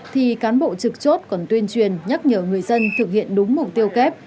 thì cán bộ trực chốt còn tuyên truyền nhắc nhở người dân thực hiện đúng mục tiêu kép